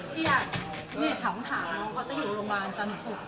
พี่อยากถามน้องเขาจะอยู่โรงพยาบาลจันทรุป